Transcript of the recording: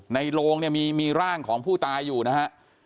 โรงเนี่ยมีร่างของผู้ตายอยู่นะฮะ